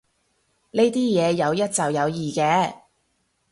呢啲嘢有一就有二嘅